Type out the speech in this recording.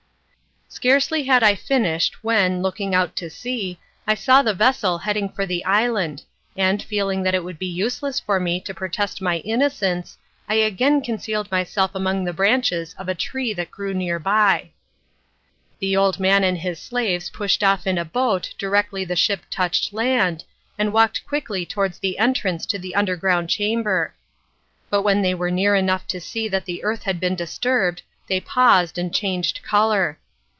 Scarcely had I finished when, looking out to sea, I saw the vessel heading for the island, and, feeling that it would be useless for me to protest my innocence, I again concealed myself among the branches of a tree that grew near by. The old man and his slaves pushed off in a boat directly the ship touched land, and walked quickly towards the entrance to the underground chamber; but when they were near enough to see that the earth had been disturbed, they paused and changed colour.